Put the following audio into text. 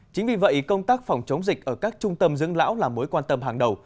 chính vì vậy công tác phòng chống dịch ở các trung tâm dưỡng lão là mối quan tâm hàng đầu